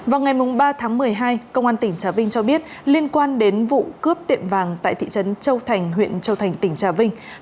vào ngày ba tháng một mươi hai công an tỉnh trà vinh cho biết liên quan đến vụ cướp tiệm vàng tại thị trấn châu thành huyện châu thành tỉnh trà vinh